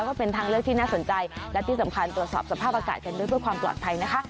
ก็เป็นทางเลือกที่น่าสนใจและที่สำคัญตรวจสอบสภาพอากาศกันด้วยเพื่อความปลอดภัยนะคะ